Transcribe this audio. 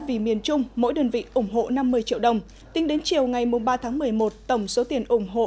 vì miền trung mỗi đơn vị ủng hộ năm mươi triệu đồng tính đến chiều ngày ba tháng một mươi một tổng số tiền ủng hộ